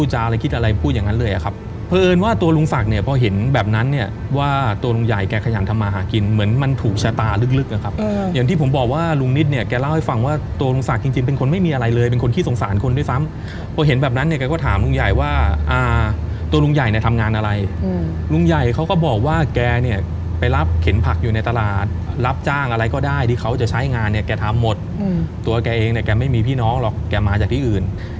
ไหนแกขยันทำมาหากินเหมือนมันถูกชะตาลึกนะครับอย่างที่ผมบอกว่าลุงนิตเนี่ยแกเล่าให้ฟังว่าตัวลุงศักดิ์จริงเป็นคนไม่มีอะไรเลยเป็นคนขี้สงสารคนด้วยซ้ำเพราะเห็นแบบนั้นเนี่ยก็ถามลุงใหญ่ว่าตัวลุงใหญ่ในทำงานอะไรลุงใหญ่เขาก็บอกว่าแกเนี่ยไปรับเข็นผักอยู่ในตลาดรับจ้างอะไรก็ได้ที่เขาจะใช้งานเน